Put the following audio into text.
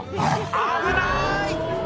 「危ない！」